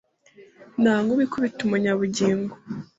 nta nkuba ikubita umunyabugingo